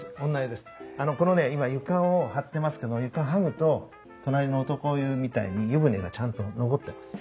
あのこのね今床を張ってますけど床剥ぐと隣の男湯みたいに湯船がちゃんと残ってます。